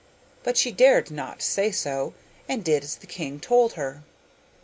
But she dared not say so, and did as the king told her.